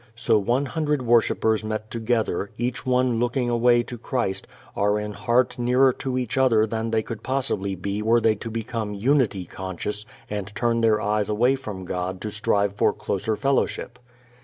So one hundred worshippers met together, each one looking away to Christ, are in heart nearer to each other than they could possibly be were they to become "unity" conscious and turn their eyes away from God to strive for closer fellowship.